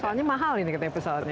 soalnya mahal ini pesawatnya